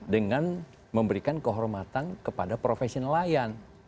dengan memberikan kehormatan kepada profesi nelayan